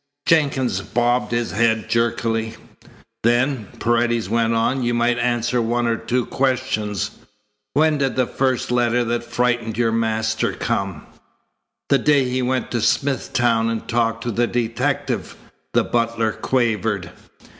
Jenkins bobbed his head jerkily. "Then," Paredes went on, "you might answer one or two questions. When did the first letter that frightened your master come?" "The day he went to Smithtown and talked to the detective," the butler quavered.